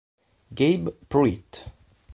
Gabe Pruitt